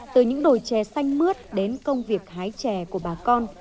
từ những đồi chè xanh mướt đến công việc hái chè của bà con